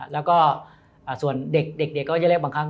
แล้วก็ส่วนเด็กก็จะเรียกบางครั้ง